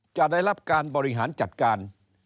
จะได้รับการบริหารจัดการ